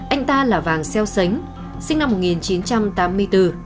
anh ta là vàng xeo xánh sinh năm một nghìn chín trăm tám mươi bốn